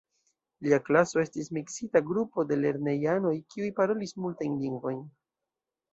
Lia klaso estis miksita grupo de lernejanoj, kiuj parolis multajn lingvojn.